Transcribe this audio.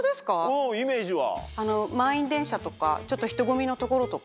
うんイメージは。